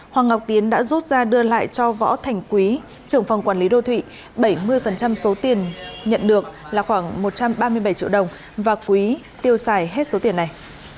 hoàng ngọc tiến đã rút ra đưa lại cho võ thành quý trưởng phòng quản lý đô thụy bảy mươi số tiền nhận được là khoảng một trăm ba mươi bảy triệu đồng và quý tiêu xài hết số tiền này